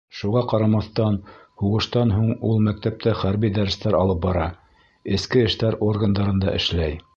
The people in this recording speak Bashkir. Шуға ҡарамаҫтан, һуғыштан һуң ул мәктәптә хәрби дәрестәр алып бара, эске эштәр органдарында эшләй.